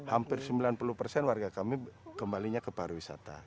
hampir sembilan puluh persen warga kami kembalinya ke pariwisata